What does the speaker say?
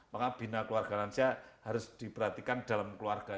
maka bina keluarga lansia harus diperhatikan dalam keluarga